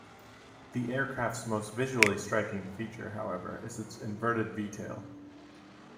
The aircraft's most visually striking feature, however, is its inverted V-tail.